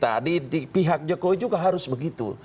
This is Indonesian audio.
dan tim kita di pihak jokowi juga harus begitu